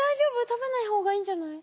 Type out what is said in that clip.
食べない方がいいんじゃない？